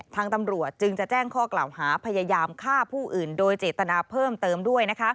ทางตำรวจจึงจะแจ้งข้อกล่าวหาพยายามฆ่าผู้อื่นโดยเจตนาเพิ่มเติมด้วย